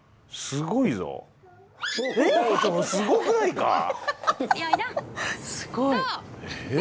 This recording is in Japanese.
すごい。え。